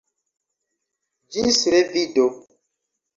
Ĝis revido.